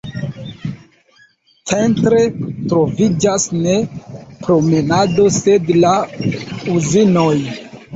Centre troviĝas ne promenado sed la uzinoj.